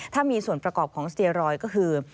ถ้ามีส่วนประกอบของสเตียรอยด์ก็คือ